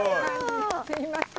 すいません。